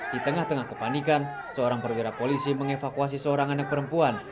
di tengah tengah kepanikan seorang perwira polisi mengevakuasi seorang anak perempuan